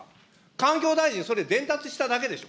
環境大臣、それ伝達しただけでしょ。